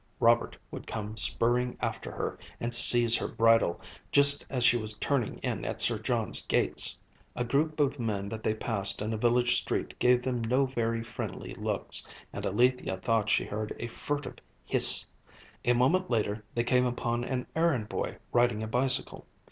Robert would come spurring after her and seize her bridle just as she was turning in at Sir John's gates. A group of men that they passed in a village street gave them no very friendly looks, and Alethia thought she heard a furtive hiss; a moment later they came upon an errand boy riding a bicycle.